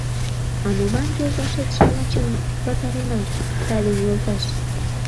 — А молан йолташет-шамычым пытаренат, Сталин йолташ?